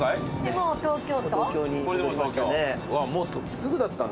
もうすぐだったんだ。